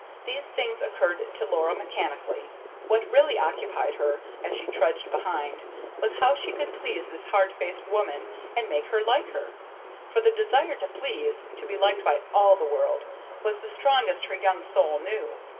These things occurred to Laura mechanically. What really occupied her, as she trudged behind, was how she could please this hard faced woman and make her like her, for the desire to please, to be liked by all the world, was the strongest her young soul knew.